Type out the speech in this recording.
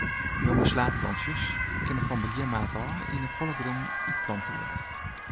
Jonge slaadplantsjes kinne fan begjin maart ôf yn 'e folle grûn útplante wurde.